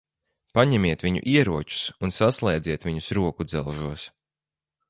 Paņemiet viņu ieročus un saslēdziet viņus rokudzelžos.